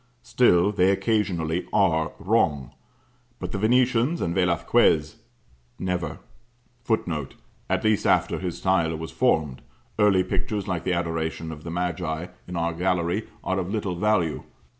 Still, they occasionally are wrong but the Venetians and Velasquez, [Footnote: At least after his style was formed; early pictures, like the Adoration of the Magi in our Gallery, are of little value.